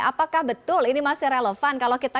apakah betul ini masih relevan